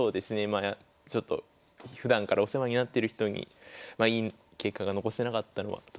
まあちょっとふだんからお世話になってる人にいい結果が残せなかったのはとても申し訳なかったです。